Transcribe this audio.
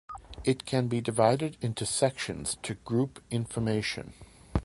It can be divided into sections to group information.